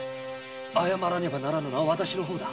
謝らねばならぬのは私の方だ。